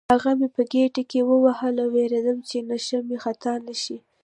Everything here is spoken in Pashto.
هغه مې په ګېډه کې وواهه، وېرېدم چې نښه مې خطا نه شي.